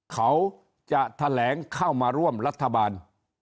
เขาจะแถลงเข้ามาร่วมรัฐบาล